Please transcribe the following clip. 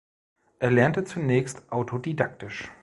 Er lernte zunächst autodidaktisch.